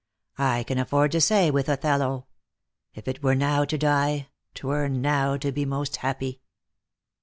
I can afford to say with Othello :* If it were now to die, 'Twere now to be moat happy.'